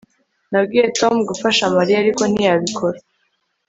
Nabwiye Tom gufasha Mariya ariko ntiyabikora